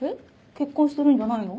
結婚してるんじゃないの？